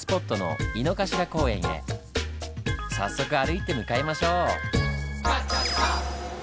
早速歩いて向かいましょう！